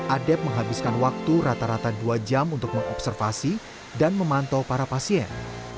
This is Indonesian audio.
adep menghabiskan waktu rata rata dua jam untuk mengobservasi dan memantau para pasien